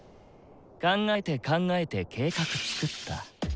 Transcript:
考えて考えて計画つくった。